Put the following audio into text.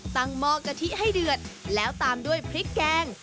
หม้อกะทิให้เดือดแล้วตามด้วยพริกแกง